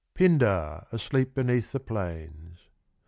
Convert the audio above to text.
PINDAR asleep beneath the planes.